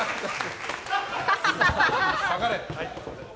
下がれ。